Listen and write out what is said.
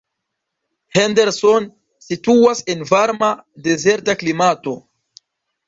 Henderson situas en varma dezerta klimato.